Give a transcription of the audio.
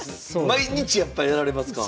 毎日やっぱやられますか？